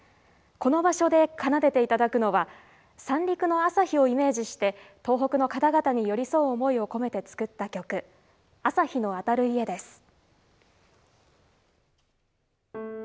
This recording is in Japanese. この場所で奏でていただくのは、三陸の朝日をイメージして東北の方々に寄り添う思いを込めて作った曲、朝日のあたる家です。